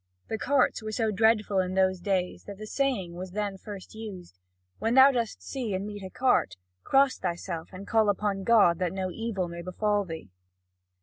The carts were so dreadful in those days that the saying was then first used: "When thou dost see and meet a cart, cross thyself and call upon God, that no evil may befall thee."